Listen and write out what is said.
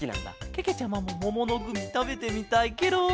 けけちゃまももものグミたべてみたいケロ。